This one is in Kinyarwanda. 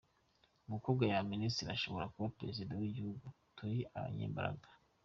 Umukobwa yaba Minisitiri, ashobora kuba Perezida w’Igihugu, turi abanyembaraga.